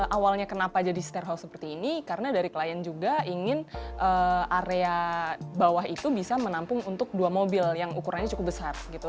awalnya kenapa jadi stairhouse seperti ini karena dari klien juga ingin area bawah itu bisa menampung untuk dua mobil yang ukurannya cukup besar gitu